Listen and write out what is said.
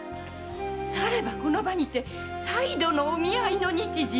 さればこの場にて再度のお見合いの日時を。